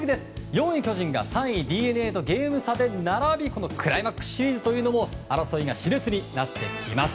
４位、巨人が３位、ＤｅＮＡとゲーム差で並びクライマックスシリーズも争いが熾烈になっていきます。